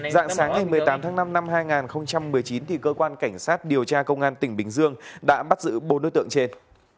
dạng sáng ngày một mươi tám tháng năm năm hai nghìn một mươi chín cơ quan cảnh sát điều tra công an tỉnh bình dương đã bắt giữ bốn đối tượng trên